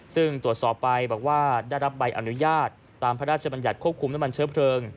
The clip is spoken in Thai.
ซึ่งตรวจสอบไปบอกว่าได้รับใบอนุญาตตามพระราชบัญญัติควบคุมน้ำมันเชื้อเพลิง